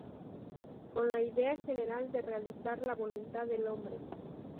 Con la idea general de realizar la voluntad del hombre.